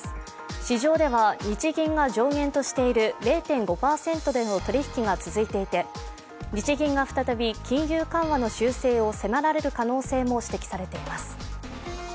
市場では日銀が上限としている０．５％での取り引きが続いていて日銀が再び金融緩和の修正を迫られる可能性も指摘されています。